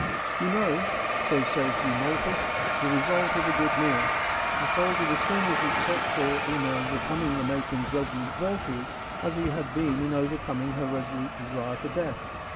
' You know,' so says Eumolpus, * the result of a good meal : the soldier was soon as successful in overcoming the matron's resolute virtue as he had been in overcoming her resolute desire for death.'